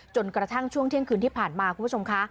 จนกระทั่งช่วงเที่ยงคืนที่ผ่านมาคุณผู้ชมค่ะ